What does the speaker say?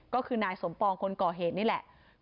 ก็คือนายสมปองห่วงก็คือนายสมปอง